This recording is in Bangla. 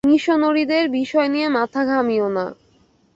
মিশনরীদের বিষয় নিয়ে মাথা ঘামিও না।